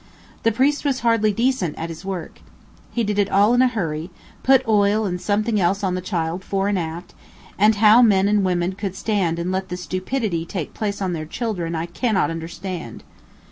The priest was hardly decent at his work. He did it all in a hurry, put oil and something else on the child, fore and aft, and how men and women could stand and let the stupidity take place on their children, I cannot understand.